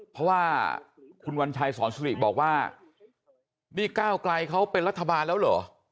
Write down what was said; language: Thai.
เพราะว่าคุณวัญชัยสอนสุริบอกว่านี่ก้าวไกลเขาเป็นรัฐบาลแล้วเหรอ